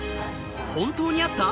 本当にあった！？